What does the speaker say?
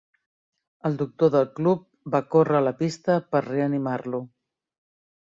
El doctor del club va córrer a la pista per reanimar-lo.